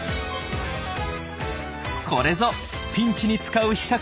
これぞピンチに使う秘策。